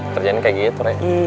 kerjanya kayak gitu